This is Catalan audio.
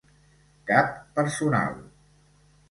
Cap personal.